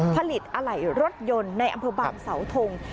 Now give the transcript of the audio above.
ผลิตอะไหล่รถยนต์ในอำเภอบางเสาทง